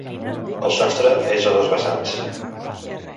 El sostre és a dos vessants.